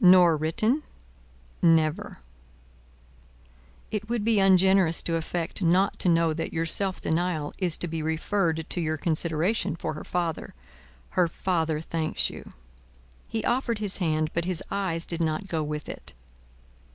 "Nor written?" "Never." "It would be ungenerous to affect not to know that your self denial is to be referred to your consideration for her father. Her father thanks you." He offered his hand; but his eyes did not go with it.